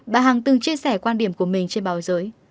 bà hằng từng chia sẻ quan điểm của mình trên báo giới